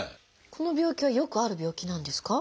この病気はよくある病気なんですか？